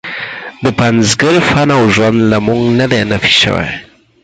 د پنځګر فن او ژوند له موږ نه دی نفي شوی.